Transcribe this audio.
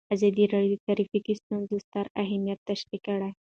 ازادي راډیو د ټرافیکي ستونزې ستر اهميت تشریح کړی.